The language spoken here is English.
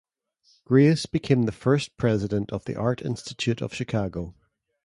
Grace became the first president of the Art Institute of Chicago.